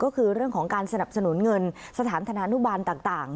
ก็คือเรื่องของการสนับสนุนเงินสถานธนานุบาลต่าง